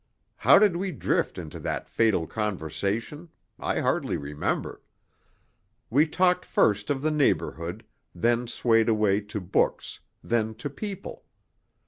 How did we drift into that fatal conversation? I hardly remember. We talked first of the neighbourhood, then swayed away to books, then to people.